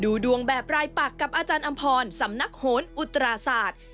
ดูดวงแบบรายปักกับอาจารย์อำพรสำนักโหนอุตราศาสตร์